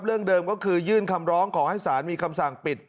เรื่องเดิมก็คือยื่นคำร้องขอให้ศาลมีคำสั่งปิด